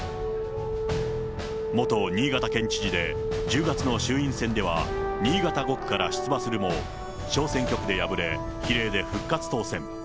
元新潟県知事で、１０月の衆院選では新潟５区から出馬するも、小選挙区で敗れ、比例で復活当選。